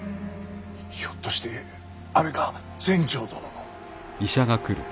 ひょっとしてあれか全成殿の。